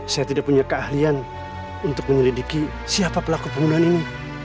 saya tidak punya keahlian untuk menyelidiki siapa pelaku pembunuhan ini